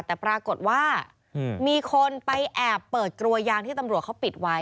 แต่ปรากฏว่ามีคนไปแอบเปิดกลัวยางที่ตำรวจเขาปิดไว้